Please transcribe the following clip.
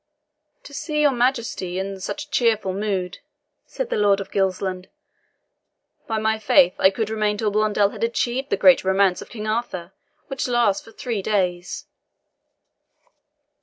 "To see your Majesty in such cheerful mood," said the Lord of Gilsland, "by my faith, I could remain till Blondel had achieved the great romance of King Arthur, which lasts for three days."